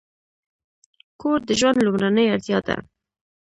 کور د ژوند لومړنۍ اړتیا ده.